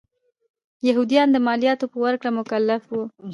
یهودیان د مالیاتو په ورکړې مکلف و.